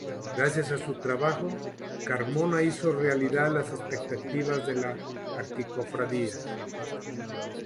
Gracias a su trabajo, Carmona hizo realidad las expectativas de la Archicofradía.